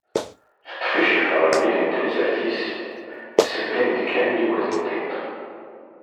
Teṭṭef ijifer nnig n tinezrt-is, tessebgan-d kan yiwet n tiṭ.